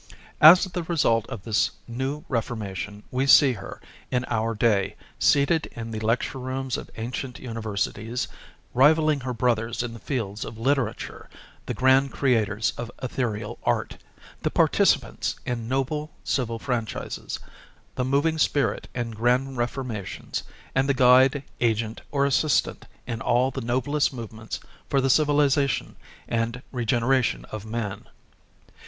As the result of this new reformation we see her, in our day, seated in the lecture rooms of ancient universities, rivaling her brothers in the fields of literature, the grand creators of ethereal art, the participants in noble civil franchises, the moving spirit in grand reformations, and the guide, agent, or assistant in all the noblest movements for the civilization and regeneration of man.